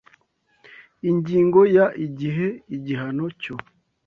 Ingingo ya Igihe igihano cyo